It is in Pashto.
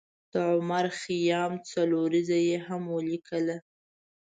د عمر خیام څلوریځه یې هم ولیکله.